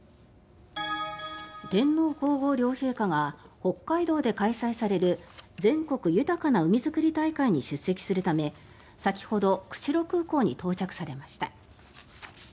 天皇・皇后両陛下が北海道で開催される全国豊かな海づくり大会に出席するため先ほど釧路空港に到着されました。